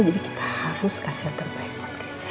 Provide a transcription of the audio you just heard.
jadi kita harus kasih yang terbaik buat kesha